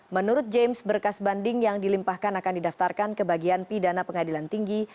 menurut james berkas banding yang dilimpahkan akan didaftarkan ke bagian pidana pengadilan tinggi